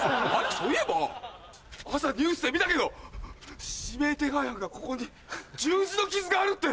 そういえば朝ニュースで見たけど指名手配犯がここに十字の傷があるって！